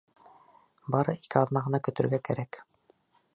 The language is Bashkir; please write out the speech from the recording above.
Бары ике аҙна ғына көтөргә кәрәк.